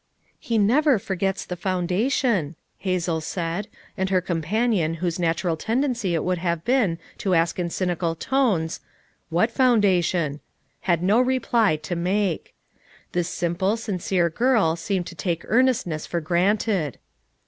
" "He never forgets the foundation," Hazel said, and her companion whose natural tend ency it would have been to ask in cynical tones : "What foundation?" had no reply to make. This simple, sincere girl seemed to take earnest ness for granted.